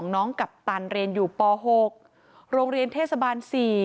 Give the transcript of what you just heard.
กัปตันเรียนอยู่ป๖โรงเรียนเทศบาล๔